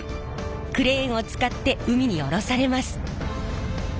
クレーンを使って海に降ろされます。